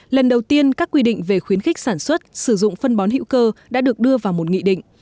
lần đầu tiên các quy định về khuyến khích sản xuất sử dụng phân bón hữu cơ đã được đưa vào một nghị định